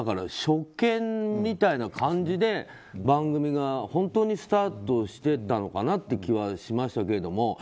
初見みたいな感じで番組が本当にスタートしてたのかなっていう気はしましたけれども。